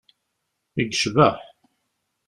I yecbeḥ!